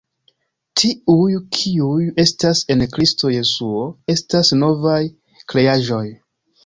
Tiuj, kiuj estas en Kristo Jesuo estas novaj kreaĵoj.